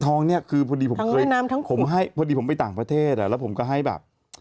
ทองเนี่ยคือพอดีผมไปต่างประเทศผมก็ให้แบบ